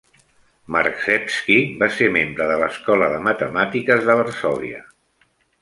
Marczewski va ser membre de l'Escola de Matemàtiques de Varsòvia.